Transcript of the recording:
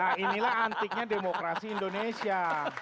nah inilah antiknya demokrasi indonesia